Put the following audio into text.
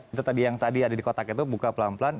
itu tadi yang tadi ada di kotak itu buka pelan pelan